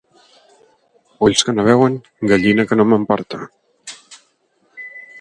Ulls que no veuen, gallina que m'emporte.